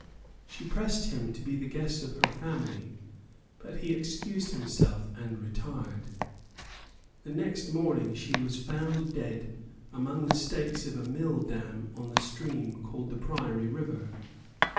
She pressed him to be the guest of her family; but he excused himself and retired. The next morning she was found dead among the stakes of a mill dam on the stream called the Priory River.